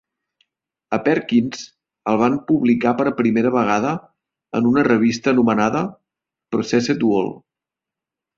A Perkins el van publicar per primera vegada en una revista anomenada "Processed World".